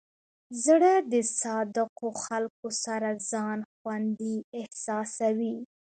زړه د صادقو خلکو سره ځان خوندي احساسوي.